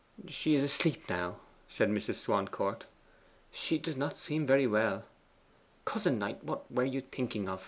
'She is asleep now,' said Mrs. Swancourt. 'She does not seem very well. Cousin Knight, what were you thinking of?